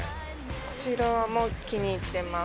こちらも気に入っています。